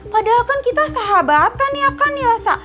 padahal kan kita sahabatan ya kan ya